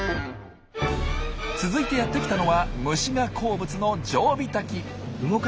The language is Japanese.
続いてやって来たのは虫が好物のジョウビタキ。